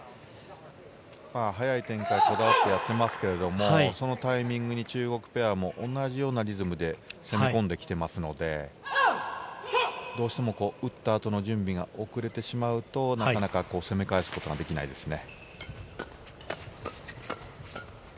早い展開にこだわってやっていますけど、そのタイミングに中国ペアも同じようなリズムで攻め込んできていますので、どうしても打った後の準備が遅れてしまうと、なかなか攻め返すことができないですね。